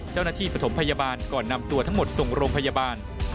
เจ้าหน้าที่ปฐมพยาบาลก่อนนำตัวทั้งหมดส่งโรงพยาบาล